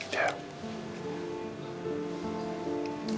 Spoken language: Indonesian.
ga ada mbak